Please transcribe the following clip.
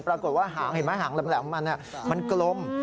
ปรากฏว่าเห็นไหมหางแหลมมันกลม